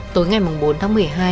tối ngày bốn tháng một mươi hai